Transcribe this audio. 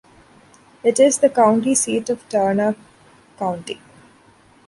It is the county seat of Turner County.